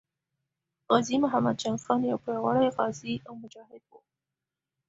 غازي محمد جان خان یو پیاوړی غازي او مجاهد وو.